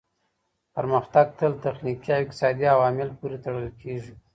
پرمختګ تل تخنیکي او اقتصادي عواملو پوري تړل کیږي.